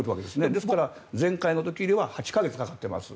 ですから、前回の時には８か月かかっています。